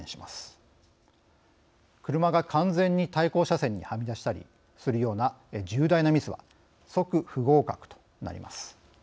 車が完全に対向車線にはみ出したりするような重大なミスは即不合格となります。